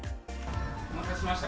お待たせしました。